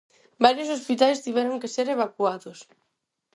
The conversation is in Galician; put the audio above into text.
Varios hospitais tiveron que ser evacuados.